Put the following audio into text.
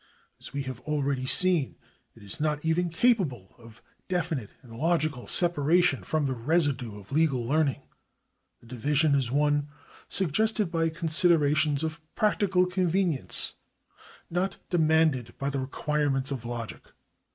As we have already seen, it is not even capable of definite and logical separation from the residue of legal learning. The division is one suggested by considerations of practical convenience, not demanded by the requirements of logic.